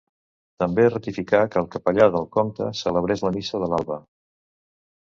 També ratificà que el capellà del Comte celebrés la missa de l'alba.